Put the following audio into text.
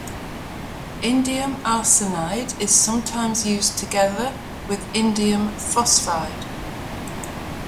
Indium arsenide is sometimes used together with indium phosphide.